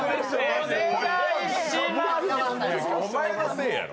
おまえのせいやろ！